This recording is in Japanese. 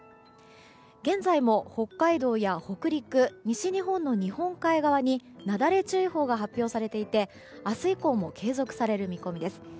現在も北海道や北陸西日本の日本海側になだれ注意報が発表されていて明日以降も継続される見込みです。